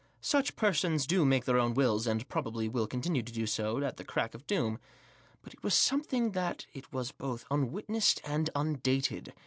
Such persons do make their own wills, and, probably, will continue to do so to the crack cf doom. But it was something that it was both unwitnessed and undated.